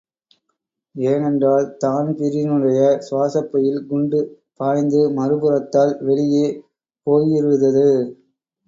ஏனென்றால் தான்பிரீனுடைய சுவாசப்பையில் குண்டு பாய்ந்து மறுபுறத்தால் வெளியே போயிருதது.